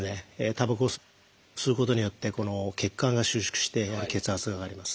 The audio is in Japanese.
たばこを吸うことによって血管が収縮して血圧が上がります。